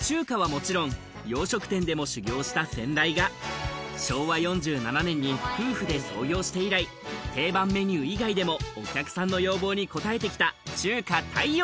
もちろん洋食店でも修業をした先代が昭和４７年に夫婦で創業して以来定番メニュー以外でもお客さんの要望に応えてきた中華太陽！